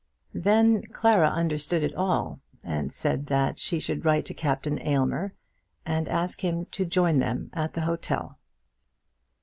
Then Clara understood it all, and said that she would write to Captain Aylmer and ask him to join them at the hotel.